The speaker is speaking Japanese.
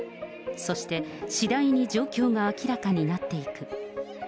そして、次第に状況が明らかになっていく。